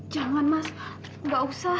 jangan mas enggak usah